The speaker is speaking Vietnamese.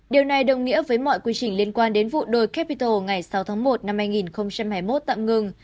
điều này đồng nghĩa với mọi quy trình liên quan đến vụ đồi capital ngày sáu tháng một năm hai nghìn hai mươi một tạm ngừng